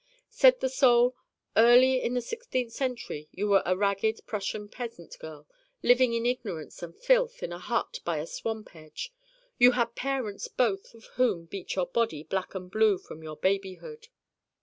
Said the Soul: 'Early in the sixteenth century you were a ragged Russian peasant girl living in ignorance and filth in a hut by a swamp edge. You had parents both of whom beat your body black and blue from your babyhood.